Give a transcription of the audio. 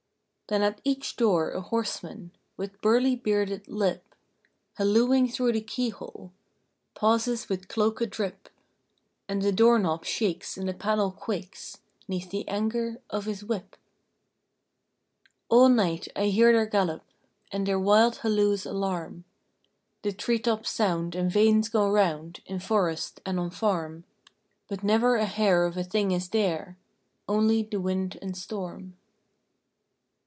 Then at each door a horseman, With burly bearded lip Hallooing through the keyhole, Pauses with cloak a drip; And the door knob shakes and the panel quakes 'Neath the anger of his whip. All night I hear their gallop, And their wild halloo's alarm; The tree tops sound and vanes go round In forest and on farm; But never a hair of a thing is there Only the wind and storm.